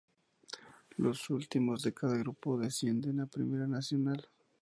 Los últimos de cada grupo descienden a Primera Nacional.